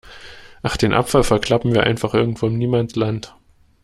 Ach, den Abfall verklappen wir einfach irgendwo im Niemandsland.